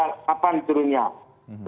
dia akan turun makin surut